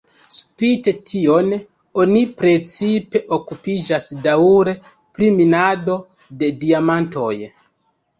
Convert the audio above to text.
Spite tion, oni precipe okupiĝas daŭre pri minado de diamantoj.